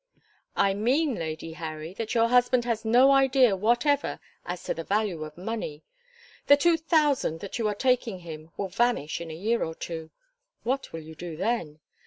"I mean, Lady Harry, that your husband has no idea whatever as to the value of money. The two thousand that you are taking him will vanish in a year or two. What will you do then?